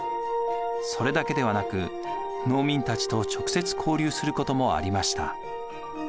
それだけではなく農民たちと直接交流することもありました。